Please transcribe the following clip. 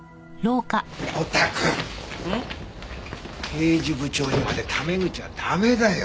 刑事部長にまでタメ口は駄目だよ！